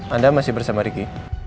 anda masih bersama ricky